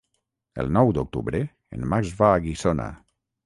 El nou d'octubre en Max va a Guissona.